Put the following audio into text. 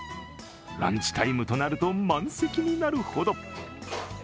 ランチタイムとなると満席になるほど。